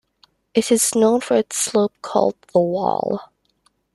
It is known for its slope called "The Wall".